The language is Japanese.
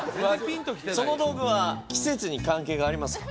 その道具は季節に関係がありますか？